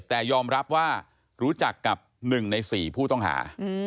แต่ยอมรับว่ารู้จักกับ๑ใน๔ผู้ต้องหา